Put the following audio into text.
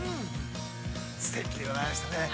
◆すてきでございましたね。